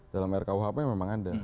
dalam rkuhp memang ada